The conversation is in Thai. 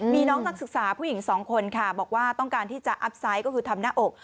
มีน้องนักศึกษาผู้หญิงสองคนค่ะบอกว่าต้องการที่จะอัพไซต์ก็คือทำหน้าอก